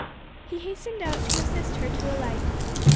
He hastened out to assist her to alight.